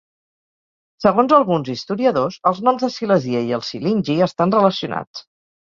Segons alguns historiadors, els noms de Silesia i els Silingi estan relacionats.